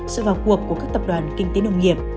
sự vào cuộc của các tập đoàn kinh tế nông nghiệp